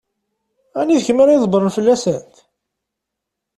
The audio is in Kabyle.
Ɛni d kemm ara ydebbṛen fell-asent?